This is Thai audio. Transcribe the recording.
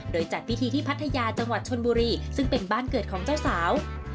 โดยจัดพิธีที่พัทยาจังหวัดชนบุรีซึ่งเป็นบ้านเกิดของเจ้าสาว